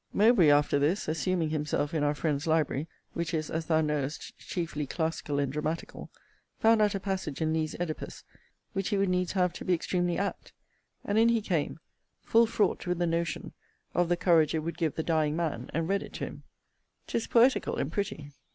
Mowbray, after this, assuming himself in our friend's library, which is, as thou knowest, chiefly classical and dramatical, found out a passage in Lee's Oedipus, which he would needs have to be extremely apt; and in he came full fraught with the notion of the courage it would give the dying man, and read it to him. 'Tis poetical and pretty.